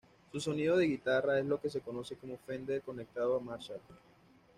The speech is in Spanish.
Su sonido de guitarra es lo que se conoce como "Fender conectado a Marshall".